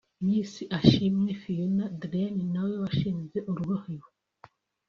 Miss Ashimwe Fiona Dreen na we washinze ‘Urubohero’